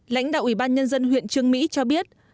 lãnh đạo ủy ban nhân dân huyện trương mỹ cho biết